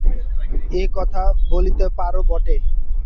এ কথা বলিতে পারো বটে।